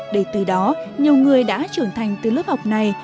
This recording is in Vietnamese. để từ đó nhiều người đã trưởng thành từ lớp học này